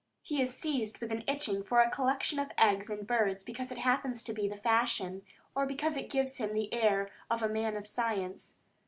He is seized with an itching for a collection of eggs and birds because it happens to be the fashion, or because it gives him the air of a man of science.